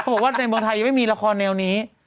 บอกว่าในเมืองไทยยังไม่มีละครแนวนี้